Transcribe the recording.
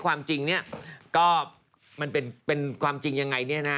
ความจริงเนี่ยก็มันเป็นความจริงยังไงเนี่ยนะ